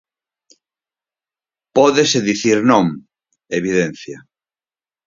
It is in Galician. "Pódese dicir non", evidencia.